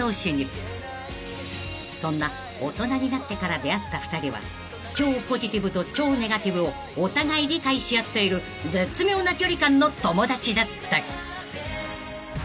［そんな大人になってから出会った２人は超ポジティブと超ネガティブをお互い理解し合っている絶妙な距離感の友達だった］